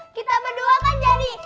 kita berdua kan jadi